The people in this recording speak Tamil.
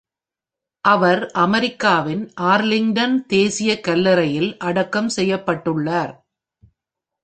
அவர் அமெரிக்காவின் ஆர்லிங்டன் தேசிய கல்லறையில் அடக்கம் செய்யப்பட்டுள்ளார்.